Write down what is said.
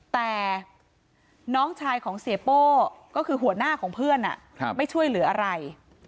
แต่น้องชายของเสียโป้ก็คือหัวหน้าของเพื่อนไม่ช่วยเหลืออะไร